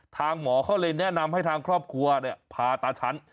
หมอเขาเลยแนะนำให้ทางครอบครัวพาตาฉัน